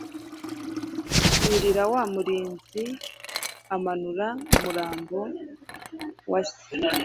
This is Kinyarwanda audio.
yurira wa murinzi amanura umurambo wa se